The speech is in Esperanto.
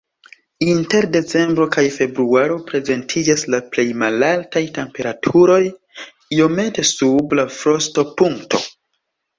Inter decembro kaj februaro prezentiĝas la plej malaltaj temperaturoj, iomete sub la frostopunkto.